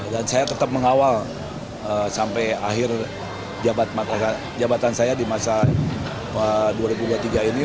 dan saya tetap mengawal sampai akhir jabatan saya di masa dua ribu dua puluh tiga ini